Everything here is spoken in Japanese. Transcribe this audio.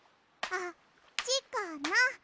あっちかな？